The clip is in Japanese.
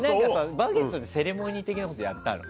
「バゲット」でセレモニー的なことやったんでしょ？